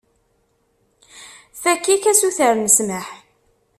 Fakk-ik asuter n ssmaḥ.